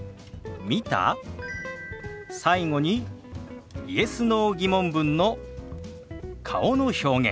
最後にＹｅｓ／Ｎｏ−疑問文の顔の表現。